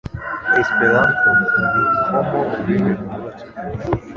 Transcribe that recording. Esperanto ni 'informal', ururimi rwubatswe.